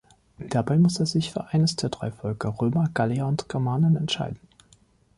Dabei muss er sich für eines der drei Völker Römer, Gallier und Germanen entscheiden.